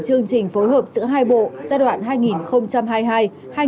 chương trình phối hợp giữa hai bộ